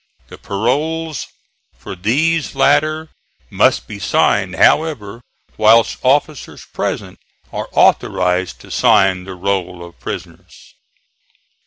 The paroles for these latter must be signed, however, whilst officers present are authorized to sign the roll of prisoners."